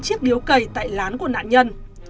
chiếc điếu cầy tại lán của nạn nhân